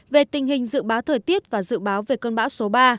về tình hình dự báo thời tiết và dự báo về cơn bão số ba